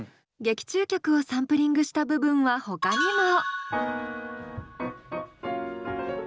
劇中曲をサンプリングした部分はほかにも。